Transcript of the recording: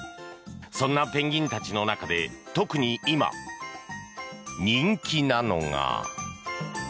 そんなペンギンたちの中で特に今、人気なのが。